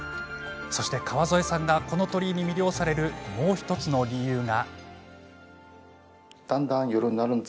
そして川添さんが、この鳥居に魅了されるもう１つの理由が。